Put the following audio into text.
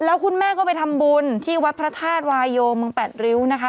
แล้วคุณแม่ก็ไปทำบุญที่วัดพระธาตุวายโยเมืองแปดริ้วนะคะ